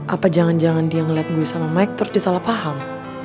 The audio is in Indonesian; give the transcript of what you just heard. apa jangan jangan dia ngelihat gue sama mike terus dia salah paham